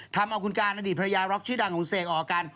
ทำเอาคุณการณ์อดีตพระยารกษ์ชื่อดังของคุณเสกออกกัน